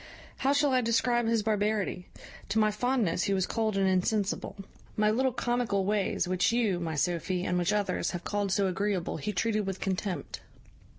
How shall I describe his barbarity? To my fondness he was cold and insensible. My little comical ways, which you, my Sophy, and which others, have called so agreeable, he treated with contempt.